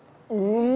うん！